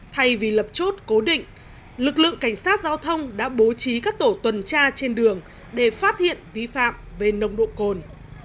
thay vì lập chốt cố định lực lượng cảnh sát giao thông đã bố trí các tổ tuần tra trên đường để phát hiện vi phạm về nồng độ cồn